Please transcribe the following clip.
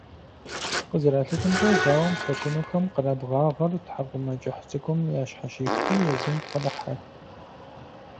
КъызэралъытэмкӀэ, зауэм хэтынухэм къэрабгъагъэр тхьэкӀумэкӀыхь цӀыкӀум ящхьэщихти езым пкъырыхьэт.